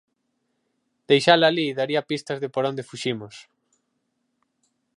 Deixala alí daría pistas de por onde fuximos.